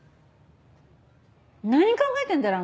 何考えてんだろ？